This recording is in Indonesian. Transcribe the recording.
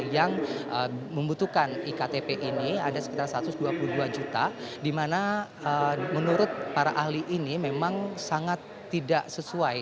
yang membutuhkan iktp ini ada sekitar satu ratus dua puluh dua juta di mana menurut para ahli ini memang sangat tidak sesuai